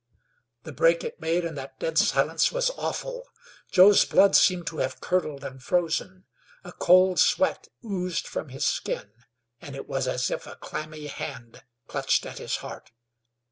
The break it made in that dead silence was awful. Joe's blood seemed to have curdled and frozen; a cold sweat oozed from his skin, and it was as if a clammy hand clutched at his heart.